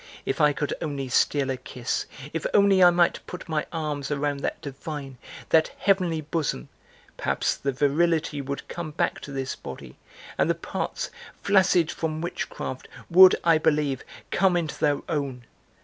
If I could only steal a kiss, if only I might put my arms around that divine, that heavenly bosom, perhaps the virility would come back to this body and the parts, flaccid from witchcraft would, I believe, come into their own.